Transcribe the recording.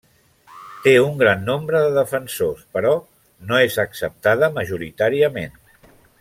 Té un gran nombre de defensors, però no és acceptada majoritàriament.